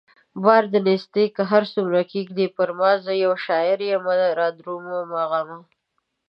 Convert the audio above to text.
بار د نيستۍ که هر څو کښېږدې پرما زه يو شاعر يمه رادرومه غمه